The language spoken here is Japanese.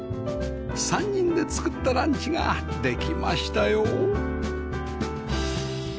３人で作ったランチができましたよ